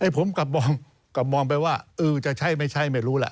ผมกลับมองไปว่าเออจะใช่ไม่ใช่ไม่รู้แหละ